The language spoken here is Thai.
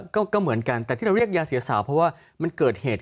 ก็เหมือนกันแต่ที่เราเรียกยาเสียสาวเพราะว่ามันเกิดเหตุ